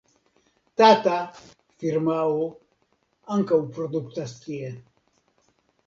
Tata (firmao) ankaŭ produktas tie.